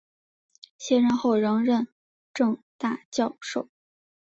卸任后仍任政大教授。